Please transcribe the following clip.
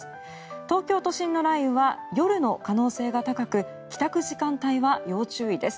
東京都心の雷雨は夜の可能性が高く帰宅時間帯は要注意です。